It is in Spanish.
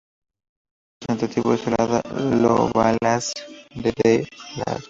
El evento más representativo es el "Ada Lovelace Day Live!